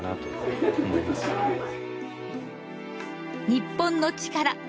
『日本のチカラ』